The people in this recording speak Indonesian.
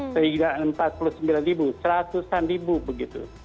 sehingga empat puluh sembilan ribu seratusan ribu begitu